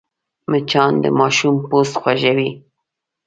مچان د ماشوم پوست خوږوي